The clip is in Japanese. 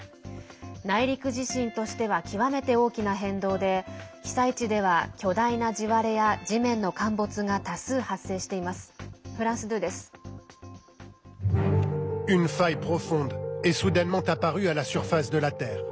内陸地震としては極めて大きな変動で、被災地では巨大な地割れや地面の陥没が多数発生しています。